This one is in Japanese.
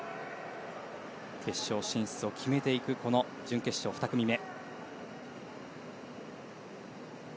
決勝進出を決めていくこの準決勝２組目。